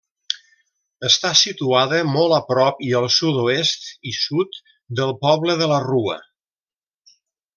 Està situada molt a prop i al sud-oest i sud del poble de la Rua.